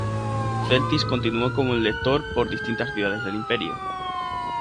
Celtis continuó como lector por distintas ciudades del imperio.